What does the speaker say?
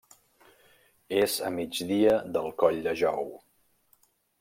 És a migdia del Coll de Jou.